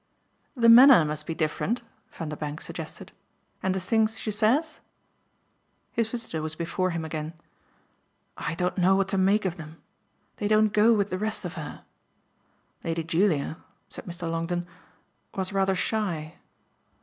"The manner must be different," Vanderbank suggested. "And the things she says." His visitor was before him again. "I don't know what to make of them. They don't go with the rest of her. Lady Julia," said Mr. Longdon, "was rather shy."